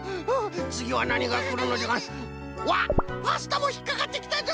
わっパスタもひっかかってきたぞ！